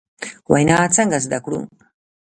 وینا څنګه زدکړو ؟